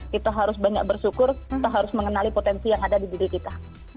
kita harus banyak bersyukur kita harus mengenali potensi yang ada di diri kita